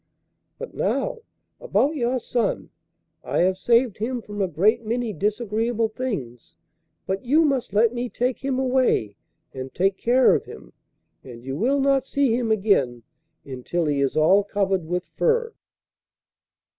But now about your son: I have saved him from a great many disagreeable things, but you must let me take him away and take care of him, and you will not see him again until he is all covered with fur!